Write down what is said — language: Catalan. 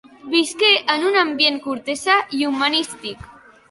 Visqué en un ambient cortesà i humanístic.